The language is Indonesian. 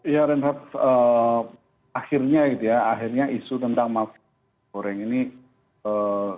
ya renf akhirnya isu tentang mafia